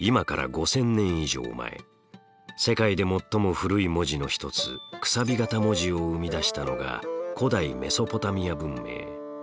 今から５，０００年以上前世界で最も古い文字の一つ楔形文字を生み出したのが古代メソポタミア文明。